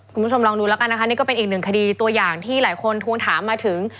คุณผู้ชมลองดูแล้วกันนะคะนี่ก็เป็นอีกหนึ่งคดีตัวอย่างที่หลายคนทวงถามมาถึง